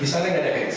di sana tidak ada hash